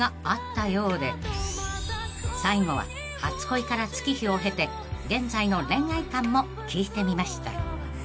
［最後は初恋から月日を経て現在の恋愛観も聞いてみました］